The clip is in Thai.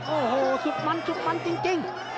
โอ้โหสุดมันจริง